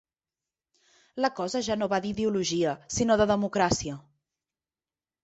La cosa ja no va d’ideologia, sinó de democràcia.